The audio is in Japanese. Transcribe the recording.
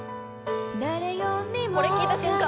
「これ聴いた瞬間